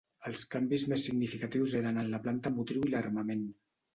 Els canvis més significatius eren en la planta motriu i l'armament.